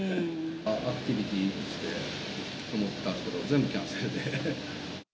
アクティビティー行ってとか思ったんですけど、全部キャンセルで。